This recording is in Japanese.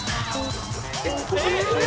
えっ！